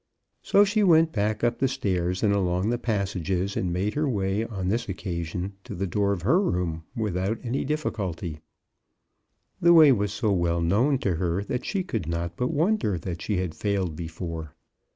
So she went back up the stairs and along the passages, and made her way on this occasion to the door of her room without any difficulty. The way was so well known to her that she could not but won der that she had failed before.